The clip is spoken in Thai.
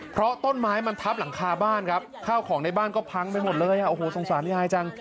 เพราะต้นไม้มันทับหลังคาบ้านครับข้าวของในบ้านก็พังไปหมดเลยอ่ะโอ้โหสงสารยายจัง